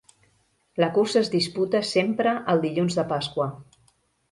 La cursa es disputa sempre el Dilluns de Pasqua.